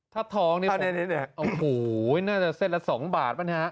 ถ้าทองนี่อ๋อโหน่าจะเส้นละ๒บาทไหมนะฮะ